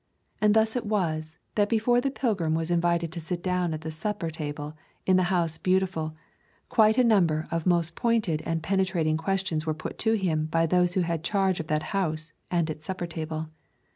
And thus it was, that before the pilgrim was invited to sit down at the supper table in the House Beautiful, quite a number of most pointed and penetrating questions were put to him by those who had charge of that house and its supper table.